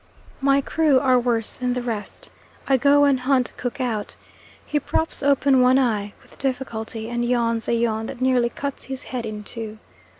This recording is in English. My crew are worse than the rest. I go and hunt cook out. He props open one eye, with difficulty, and yawns a yawn that nearly cuts his head in two.